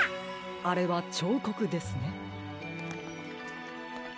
あれはちょうこくですね。